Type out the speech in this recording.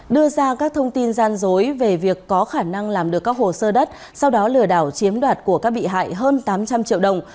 đưa ra các thông tin gian dối về việc có khả năng làm được các hồ sơ đất sau đó lừa đảo chiếm đoạt của các bị hại hơn tám trăm linh triệu đồng